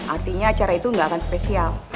artinya acara itu nggak akan spesial